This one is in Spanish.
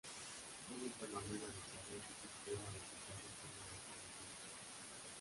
única manera de saber si el sistema de cifrado tiene una falla crítica